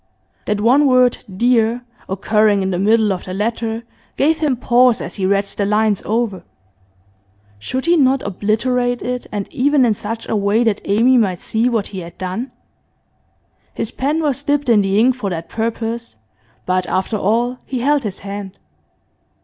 That one word 'dear,' occurring in the middle of the letter, gave him pause as he read the lines over. Should he not obliterate it, and even in such a way that Amy might see what he had done? His pen was dipped in the ink for that purpose, but after all he held his hand.